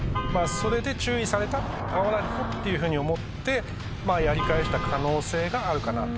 それで注意されたあおられた！って思ってやり返した可能性があるかなと。